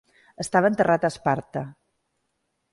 Estava enterrat a Esparta.